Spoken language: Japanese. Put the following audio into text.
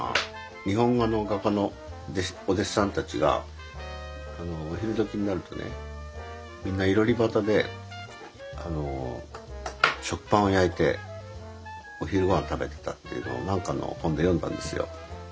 日本画の画家のお弟子さんたちがお昼時になるとねみんないろり端で食パンを焼いてお昼ごはん食べてたっていうのを何かの本で読んだんですよ。